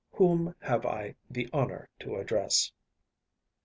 Whom have I the honour to address?